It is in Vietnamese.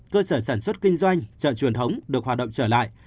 cơ sở sản xuất kinh doanh chợ truyền thống được hoạt động trở lại